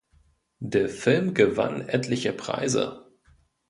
Der Film gewann etliche Preise.